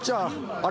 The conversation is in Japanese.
あれ？